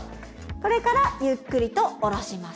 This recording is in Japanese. これからゆっくりと下ろします